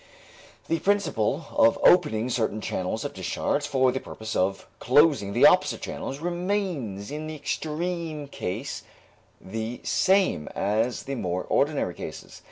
The principle of opening certain channels of discharge for the purpose of closing the opposite channels remains in the extreme case the same as in the more ordinary cases.